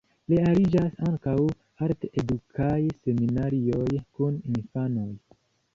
Realiĝas ankaŭ art-edukaj seminarioj kun infanoj.